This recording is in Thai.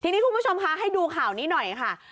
ทีนี้คุณผู้ชมคะให้ดูข่าวนี้หน่อยค่ะ